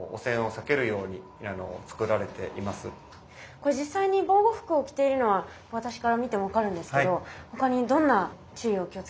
これ実際に防護服を着ているのは私から見ても分かるんですけど他にどんな注意を気をつけてるんですか？